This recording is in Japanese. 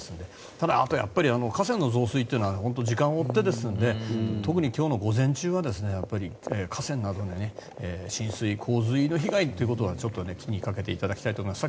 ただ、あと河川の増水は時間を追ってですので特に今日の午前中は河川などで浸水・洪水の被害を気にかけていただきたいと思います。